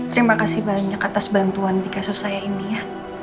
terima kasih banyak atas bantuan di kasus saya ini ya